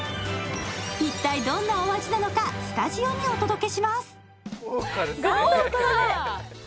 一体どんなお味なのかスタジオにお届けします豪華ですね。